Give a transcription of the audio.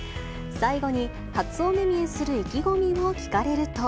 最後に、初お目見えする意気込みを聞かれると。